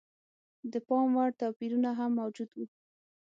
د پاموړ توپیرونه هم موجود و.